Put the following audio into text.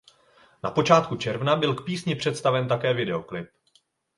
Na počátku června byl k písni představen také videoklip.